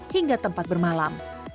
hingga tempat bermalam